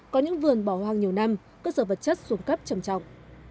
có những vườn bỏ hoang nhiều năm cơ sở vật chất xuống cấp trầm trọng